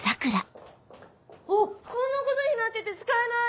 こんなことになってて使えない！